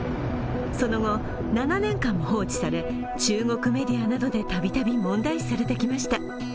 その後、７年間も放置され中国メディアなどでたびたび問題視されてきました。